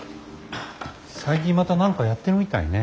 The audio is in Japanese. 最近また何かやってるみたいね。